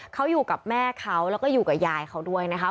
เขาอยู่กับแม่เขาแล้วก็อยู่กับยายเขาด้วยนะคะ